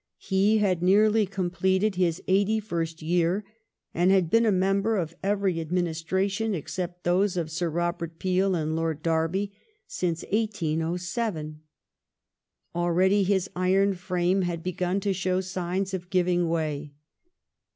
He had nearly completed his eighty first year, and had been a member of every administration, except those of Sir Bobert Peel and Lord Derby, since 1807. Already his iron frame had begun to show signs of giving way.